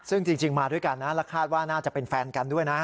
ซึ่งจริงมาด้วยกันนะและคาดว่าน่าจะเป็นแฟนกันด้วยนะ